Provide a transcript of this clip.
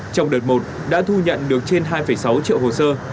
trong đợt một đã thu nhận được trên hai sáu triệu hồ sơ